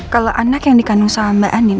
kalau anak yang dikandung sama mbak anin